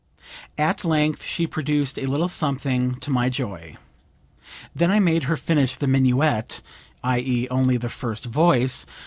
At length she produced a little something to my joy. Then I made her finish the minuet, i.e. only the first voice.